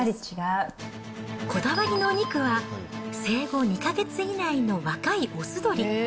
こだわりのお肉は、生後２か月以内の若い雄鶏。